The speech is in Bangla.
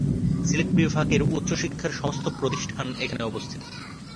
সিলেট বিভাগের উচ্চ শিক্ষার সমস্ত প্রতিষ্ঠান এখানে অবস্থিত।